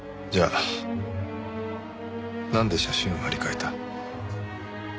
じゃあなんで写真を貼り替えた？